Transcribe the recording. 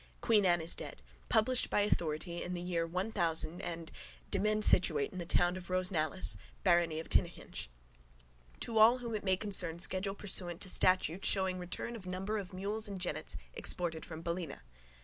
Queen Anne is dead. Published by authority in the year one thousand and. Demesne situate in the townland of Rosenallis, barony of Tinnahinch. To all whom it may concern schedule pursuant to statute showing return of number of mules and jennets exported from Ballina.